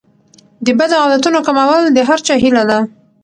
د بدو عادتونو کمول د هر چا هیله ده.